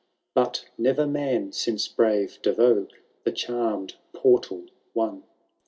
But never man since brave De Vaux The channed portal won.